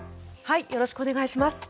よろしくお願いします。